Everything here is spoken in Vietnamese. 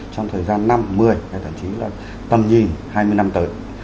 trong thời gian năm một mươi hay thậm chí là tầm nhìn hai mươi năm tới